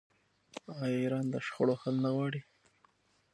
آیا ایران د شخړو حل نه غواړي؟